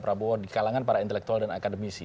prabowo di kalangan para intelektual dan akademisi